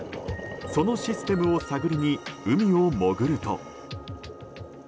そのシステムを探りに海を潜ると。